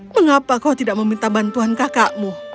mengapa kau tidak meminta bantuan kakakmu